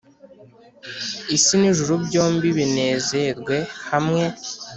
Isi n'ijuru byombi binezerwe hamwe